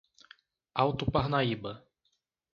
Alto Parnaíba